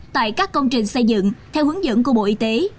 tại các công trình xây dựng theo hướng dẫn của bộ y tế